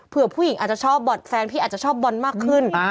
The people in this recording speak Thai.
ผู้หญิงอาจจะชอบบอดแฟนที่อาจจะชอบบอลมากขึ้น